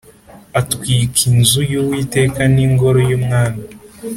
Atwika inzu y Uwiteka n ingoro y umwami